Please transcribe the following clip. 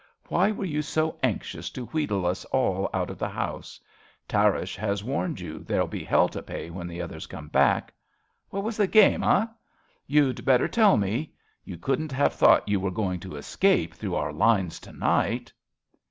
Why were you so anxious to wheedle us all out of the house ? Tarrasch has warned you there'll be hell to pay when the others come back. What was the game, eh ? You'd better tell me. You couldn't have thought you were going to escape through our lines to night.